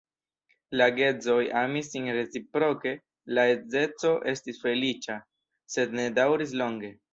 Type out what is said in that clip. La geedzoj amis sin reciproke, la edzeco estis feliĉa, sed ne daŭris longe.